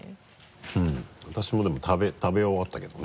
うん私もでも食べ終わったけどね。